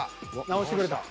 直してくれた。